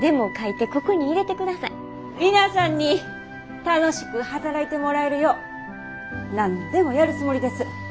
皆さんに楽しく働いてもらえるよう何でもやるつもりです。